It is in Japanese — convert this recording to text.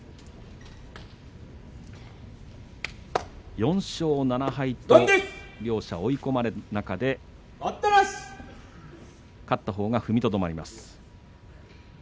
４勝７敗と両者追い込まれる中で勝ったほうが踏みとどまります。